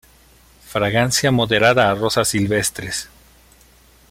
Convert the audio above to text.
Fragancia moderada a rosas silvestres.